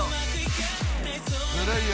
「ずるいよ。